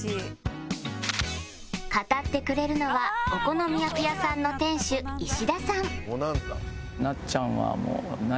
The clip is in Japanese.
語ってくれるのはお好み焼き屋さんの店主石田さん